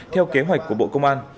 theo kế hoạch của bộ công an